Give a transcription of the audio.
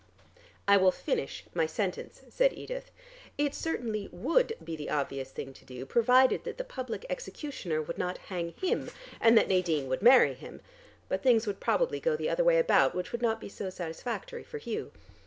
"I will finish my sentence," said Edith. "It certainly would be the obvious thing to do, provided that the public executioner would not hang him, and that Nadine would marry him. But things would probably go the other way about, which would not be so satisfactory for Hugh.